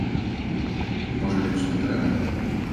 Можа, лепш не трэба?